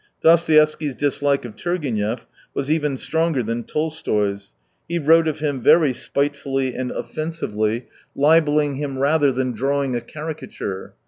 Dostoevsky's dislike of Tur genev was even stronger than Tolstoy's ; he wrote of him very spitefully and offensively, 85 libelling him rather than drawing a cari cature.